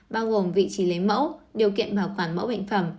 bao gồm vị trí lấy mẫu điều kiện bảo quản mẫu bệnh phẩm